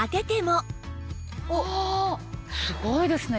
ああすごいですね。